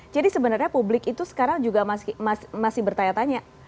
jadi sebenarnya publik itu sekarang juga masih bertanya tanya